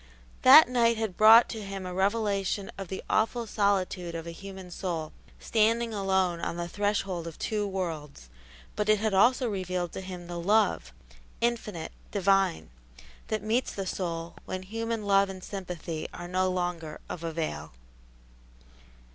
That night had brought to him a revelation of the awful solitude of a human soul, standing alone on the threshold of two worlds; but it had also revealed to him the Love Infinite, Divine that meets the soul when human love and sympathy are no longer of avail.